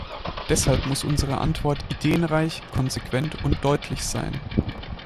Deshalb muss unsere Antwort ideenreich, konsequent und deutlich sein.